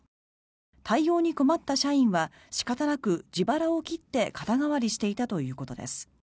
対応に困った社員は仕方なく自腹を切って肩代わりしていたということです。